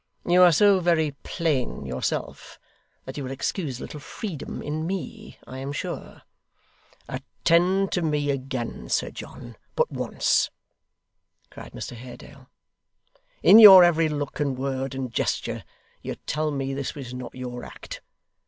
You are so very plain yourself, that you will excuse a little freedom in me, I am sure.' 'Attend to me again, Sir John but once,' cried Mr Haredale; 'in your every look, and word, and gesture, you tell me this was not your act.